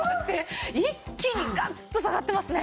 一気にガッと下がってますね。